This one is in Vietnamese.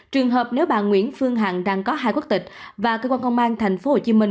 trường hợp nếu bà nguyễn phương hằng đang có hai quốc tịch và cơ quan công an thành phố hồ chí minh